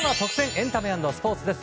エンタメ＆スポーツです。